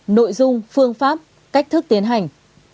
ba nội dung phương pháp cách thức tiến hành